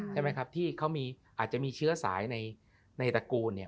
ใช่ไหมครับที่เขาอาจจะมีเชื้อสายในตระกูลเนี่ย